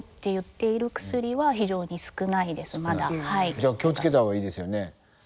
じゃあ気を付けた方がいいですよねこれね。